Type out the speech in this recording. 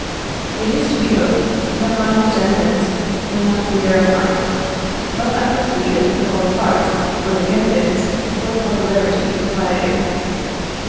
It is to be hoped that my presentiments may not be verified, but I foresee a difficult part for the candidates for popularity to play.